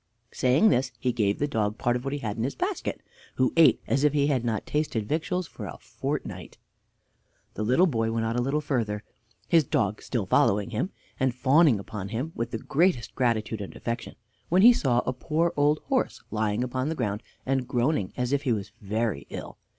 Saying this, he gave the dog part of what he had in his basket, who ate as if he had not tasted victuals for a fortnight. The little boy went on a little further, his dog still following him and fawning upon him with the greatest gratitude and affection, when he saw a poor old horse lying upon the ground, and groaning as if he was very ill.